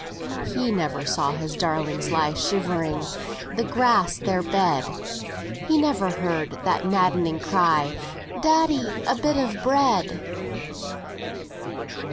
He never saw his darlings lie Shivering, the flags their bed; He never heard that maddening cry, 'Daddy, a bit of bread!'"